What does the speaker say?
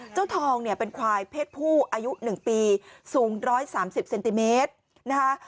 เจ้าทองเนี่ยเป็นควายเพศผู้อายุ๑ปีสูง๑๓๐เซนติเมตรนะคะ